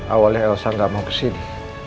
awalnya elsa gak mau kesini